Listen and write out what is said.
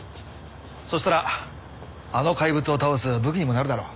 そしたらあの怪物を倒す武器にもなるだろ。